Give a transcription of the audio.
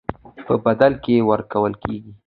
په بدل کې ورکول کېږي.